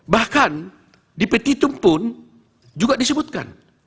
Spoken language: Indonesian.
bahkan di petitum pun juga disebutkan